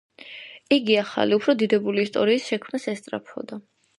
იგი ახალი, უფრო დიდებული ისტორიის შექმნას ესწრაფვოდა.